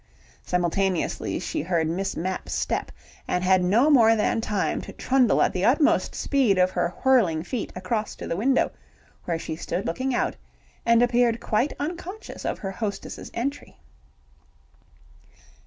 Simultaneously she heard Miss Mapp's step, and had no more than time to trundle at the utmost speed of her whirling feet across to the window, where she stood looking out, and appeared quite unconscious of her hostess's entry.